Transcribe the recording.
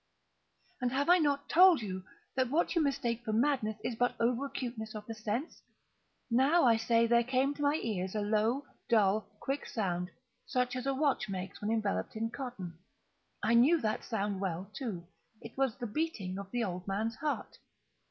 And have I not told you that what you mistake for madness is but over acuteness of the sense?—now, I say, there came to my ears a low, dull, quick sound, such as a watch makes when enveloped in cotton. I knew that sound well, too. It was the beating of the old man's heart.